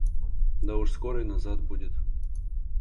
Да уж скоро и назад будет.